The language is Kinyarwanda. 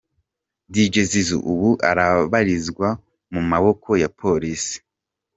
Dj Zizou ubu arabarizwa mu maboko ya Polisi.